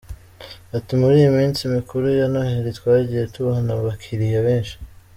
Ati “Muri iyi minsi mikuru ya Noheli twagiye tubona abakiriya benshi.